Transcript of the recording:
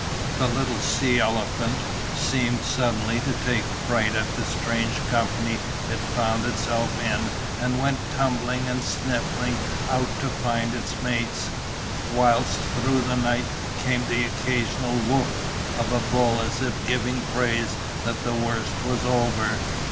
The little sea elephant seemed suddenly to take fright at the strange company it found itself in and went tumbling and sniffing out to find its mates, whilst through the night came the occasional "woof" of a bull as if giving praise that the worst was over.